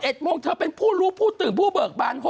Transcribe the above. โมงเธอเป็นผู้รู้ผู้ตื่นผู้เบิกบาน๖